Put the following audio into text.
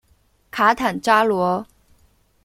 卡坦扎罗。